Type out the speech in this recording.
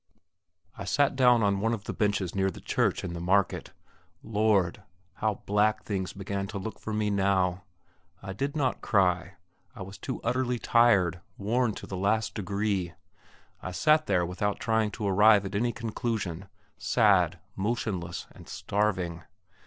I sat down on one of the benches near the church in the market. Lord! how black things began to look for me now! I did not cry; I was too utterly tired, worn to the last degree. I sat there without trying to arrive at any conclusion, sad, motionless, and starving.